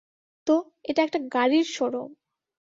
তো, এটা একটা গাড়ির শো-রুম।